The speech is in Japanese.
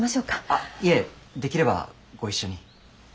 あっいえできればご一緒に。